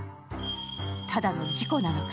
ただの事故なのか？